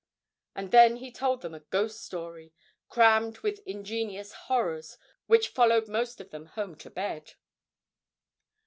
And then he told them a ghost story, crammed with ingenious horrors, which followed most of them home to bed.